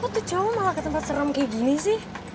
kok kecewa malah ke tempat serem kayak gini sih